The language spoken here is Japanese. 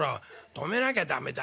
「止めなきゃ駄目だ。